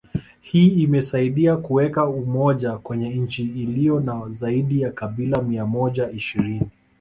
Hii imesaidia kuweka umoja kwenye nchi ilio na zaidi ya kabila mia moja ishirini